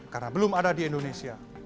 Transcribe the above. karena belum ada di indonesia